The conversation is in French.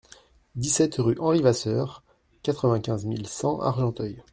dix-sept rue Henri Vasseur, quatre-vingt-quinze mille cent Argenteuil